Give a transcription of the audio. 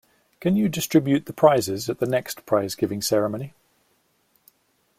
Can you distribute the prizes at the next prize-giving ceremony?